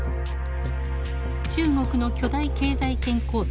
中国の巨大経済圏構想